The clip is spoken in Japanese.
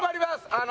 あの。